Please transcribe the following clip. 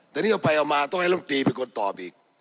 แต่นี่เอาไปเอามาต้องให้ลมตีเป็นคนตอบอีก